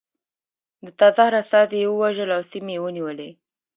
د تزار استازي یې ووژل او سیمې یې ونیولې.